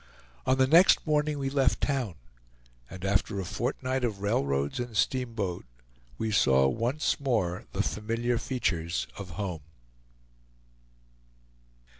On the next morning we left town, and after a fortnight of railroads and steamboat we saw once more the familiar features of home.